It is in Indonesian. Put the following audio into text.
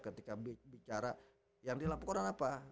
ketika bicara yang dilaporkan apa